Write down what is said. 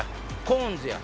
コーンズや。